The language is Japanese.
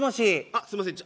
あっすいません